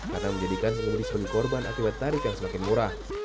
karena menjadikan pengemudi sebagai korban akibat tarif yang semakin murah